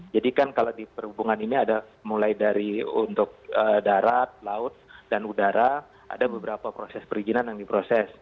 jadi kan kalau di perhubungan ini ada mulai dari untuk darat laut dan udara ada beberapa proses perizinan yang diproses